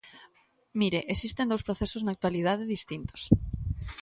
Mire, existen dous procesos na actualidade distintos.